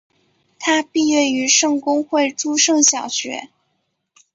他毕业于圣公会诸圣小学。